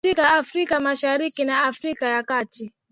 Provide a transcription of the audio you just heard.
katika Afrika Mashariki na Afrika ya kati